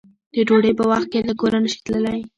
د ډوډۍ په وخت کې له کوره نشې تللی